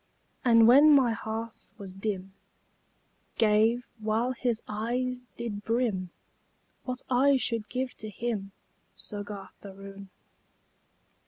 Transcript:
And when my hearth was dim Gave, while his eye did brim, What I should give to him, Soggarth Aroon?